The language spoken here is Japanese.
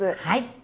はい。